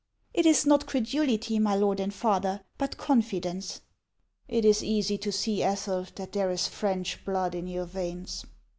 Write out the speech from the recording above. " It is not credulity, my lord and father, but confidence." " It is easy to see, Ethel, that there is French blood in your veins."